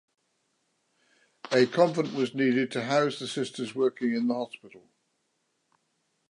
A convent was needed to house the sisters working in the hospital.